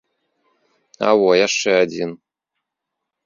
А во, яшчэ адзін.